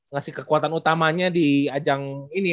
ngasih kekuatan utamanya di ajang ini